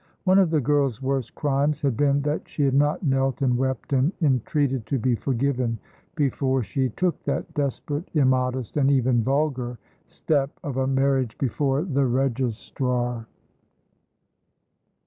One of the girl's worst crimes had been that she had not knelt and wept and entreated to be forgiven, before she took that desperate, immodest, and even vulgar, step of a marriage before the registrar.